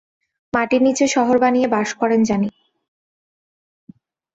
মাটির নিচে শহর বানিয়ে বাস করেন জানি।